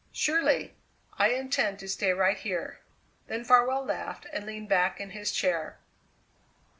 "Surely. I intend to stay right here." Then Farwell laughed and leaned back in his chair.